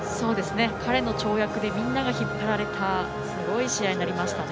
彼の跳躍でみんなが引っ張られたすごい試合になりましたね。